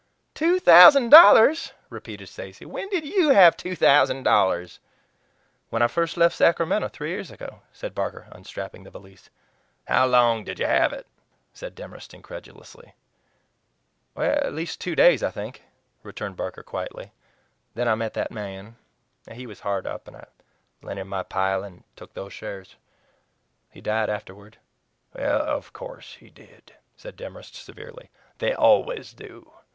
"TWO THOUSAND DOLLARS!" repeated Stacy. "When did YOU have two thousand dollars?" "When I first left Sacramento three years ago," said Barker, unstrapping the valise. "How long did you have it?" said Demorest incredulously. "At least two days, I think," returned Barker quietly. "Then I met that man. He was hard up, and I lent him my pile and took those shares. He died afterward." "Of course he did," said Demorest severely. "They always do.